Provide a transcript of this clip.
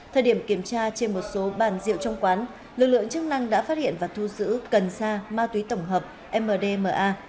thời điểm kiểm tra trên một số bàn rượu trong quán lực lượng chức năng đã phát hiện và thu giữ cần sa ma túy tổng hợp mdma